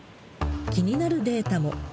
気になるデータも。